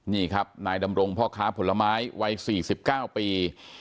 นี่ครับนายดำรงพ่อค้าผลไม้วัย๔๙ปี